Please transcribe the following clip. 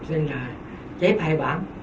cho nên là chép hai bản